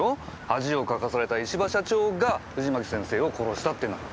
恥をかかされた石場社長が藤巻先生を殺したってなら。